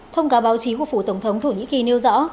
thông cáo báo chí của phủ tổng thống thổ nhĩ kỳ nêu rõ